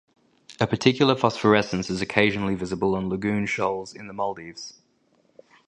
A particular phosphorescence is occasionally visible on lagoon shoals in the Maldives.